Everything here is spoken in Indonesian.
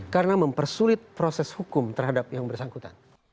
karena mempersulit proses hukum terhadap yang bersangkutan